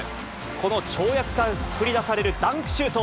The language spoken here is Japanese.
この跳躍から繰り出されるダンクシュート。